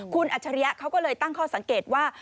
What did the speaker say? คุณอัจฉริยะเขาก็เลยตั้งข้อสังเกตว่า